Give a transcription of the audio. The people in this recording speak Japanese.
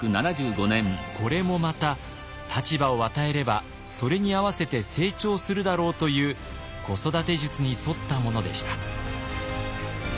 これもまた立場を与えればそれに合わせて成長するだろうという子育て術に沿ったものでした。